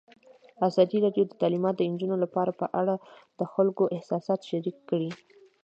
ازادي راډیو د تعلیمات د نجونو لپاره په اړه د خلکو احساسات شریک کړي.